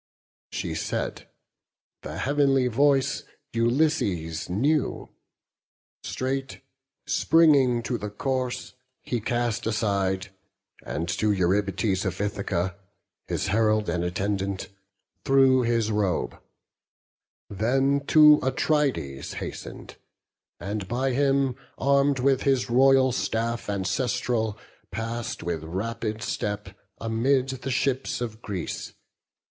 She said; the heav'nly voice Ulysses knew; Straight, springing to the course, he cast aside, And to Eurybates of Ithaca, His herald and attendant, threw his robe; Then to Atrides hasten'd, and by him Arm'd with his royal staff ancestral, pass'd With rapid step amid the ships of Greece.